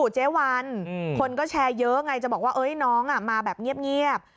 เจ๊วันคนก็แชร์เยอะไงจะบอกว่าน้องมาแบบเงียบ